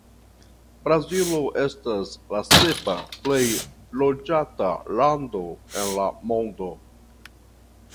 Brazilo estas la sepa plej loĝata lando en la mondo.